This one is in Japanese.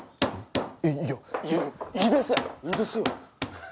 いやいやいいですいいですよ